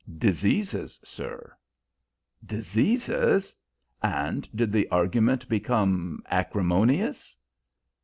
"Diseases, sir." "Diseases! And did the argument become acrimonious?"